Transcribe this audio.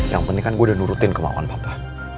yang penting kan gue udah nurutin kemauan bapak